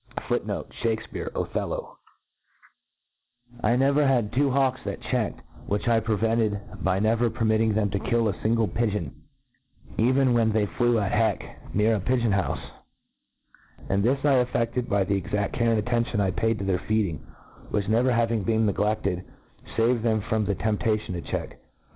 ^ T5« A T R E'ATIS E Of J never had two hawks that checked ; whitR i prevented by never permitting them to kill a fmgle pigeon, even when they flew at heck near a pigeon houfe ; and this 1 effefted by the exaft care and' attention I paid to their feeding, which never having been neglefted, faved them from the temptation to check.